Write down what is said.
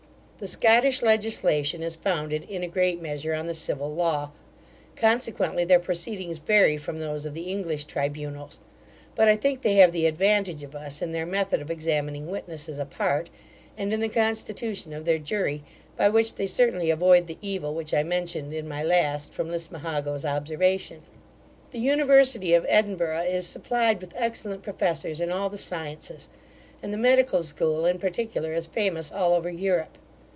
The Scottish legislation is founded, in a great measure, on the civil law; consequently, their proceedings vary from those of the English tribunals; but, I think, they have the advantage of us in their method of examining witnesses apart, and in the constitution of their jury, by which they certainly avoid the evil which I mentioned in my last from Lismahago's observation. The university of Edinburgh is supplied with excellent professors in all the sciences; and the medical school, in particular, is famous all over Europe.